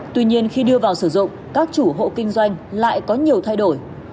tuy nhiên khi đưa vào sử dụng các chủ hộ kinh doanh lại có nhiều thay đổi